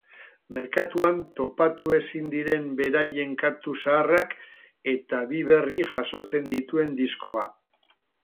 Merkatuan topatu ezin diren beraien kantu zaharrak eta bi berri jasotzen dituen diskoa.